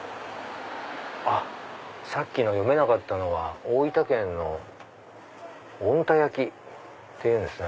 あっさっきの読めなかったのは大分県の「小鹿田焼」っていうんですね。